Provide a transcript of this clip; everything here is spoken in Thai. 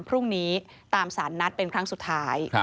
พรุ่งนี้ตามสารนัดเป็นครั้งสุดท้าย